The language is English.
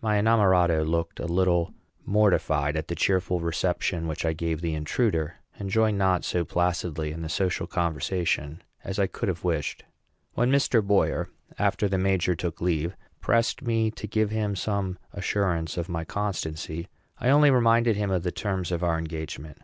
My inamorato looked a little mortified at the cheerful reception which I gave the intruder, and joined not so placidly in the social conversation as I could have wished. When Mr. Boyer, after the major took leave, pressed me to give him some assurance of my constancy, I only reminded him of the terms of our engagement.